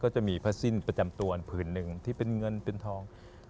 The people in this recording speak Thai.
จะมีผ้าสิ้นประจำตัวผืนหนึ่งที่เป็นเงินเป็นทอง